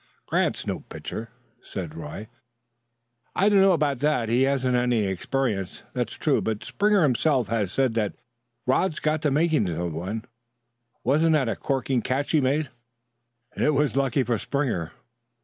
"Grant's no pitcher," said Roy. "I don't know about that. He hasn't had any experience, that's true; but Springer himself has said that Rod's got the makings of one. Wasn't that a corking catch he made?" "It was lucky for Springer."